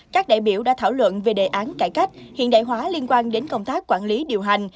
các đại biểu đã thảo luận về đề án cải cách hiện đại hóa liên quan đến công tác quản lý điều hành